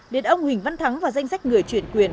đến ông huỳnh văn thắng vào danh sách người chuyển quyền